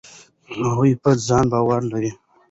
هغوی په ځان باور لري.